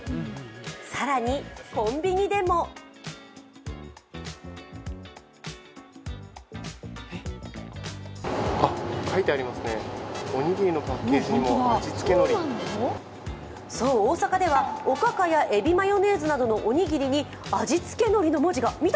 更に、コンビニでもそう、大阪では、おかかや海老マヨネーズなどのおにぎりに味付けのりの文字が。